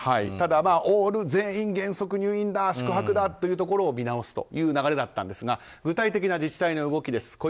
ただ、オール全員原則入院宿泊だというところを見直す流れだったんですが具体的な自治体の動きです。